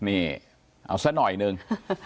เอาซะหน่อยนึง